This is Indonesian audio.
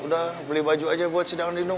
udah beli baju aja buat si dangan dino